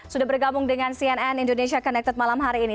sudah bergabung dengan cnn indonesia connected malam hari ini